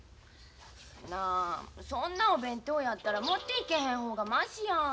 なあそんなお弁当やったら持っていけへん方がましや。